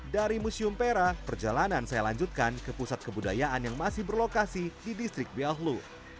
dari museum pera perjalanan saya lanjutkan ke pusat kebudayaan yang masih berlokasi di distrik beallu